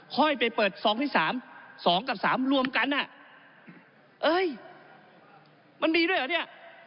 ค่อยไปเปิด๒๓๒กับ๓รวมกันอ่ะเอ้ยมันมีด้วยหรอเนี่ย